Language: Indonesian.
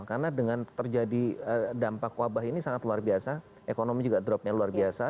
karena dengan terjadi dampak wabah ini sangat luar biasa ekonomi juga dropnya luar biasa